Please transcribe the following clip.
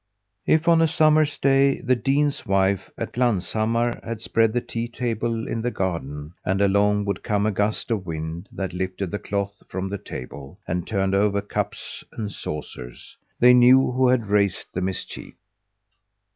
If, on a summer's day, the dean's wife at Glanshammar had spread the tea table in the garden and along would come a gust of wind that lifted the cloth from the table and turned over cups and saucers, they knew who had raised the mischief!